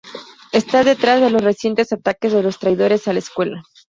Está detrás de los recientes ataques de los "traidores" a la escuela.